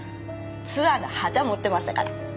ツアーの旗持ってましたから。